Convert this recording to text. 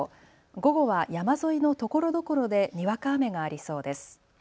午後は山沿いのところどころでにわか雨がありそうです。